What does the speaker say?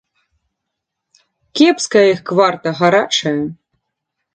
Кепская іх кварта, гарачая.